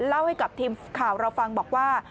เล่าให้กับทีมข่าวเราฟังบอกว่า